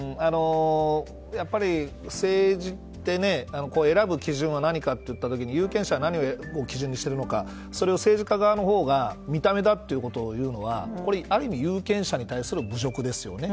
やっぱり政治って選ぶ基準は何かっていった時に有権者は何を基準にしてるのかそれを政治家側のほうが見た目だということを言うのはこれ、ある意味有権者に対する侮辱ですよね。